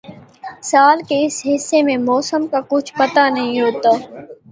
سال کے اس حصے میں موسم کا کچھ پتا نہیں ہوتا